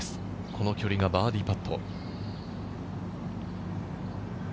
この距離がバーディーパット。